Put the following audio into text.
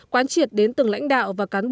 quán triệt đến từng lãnh đạo và cán bộ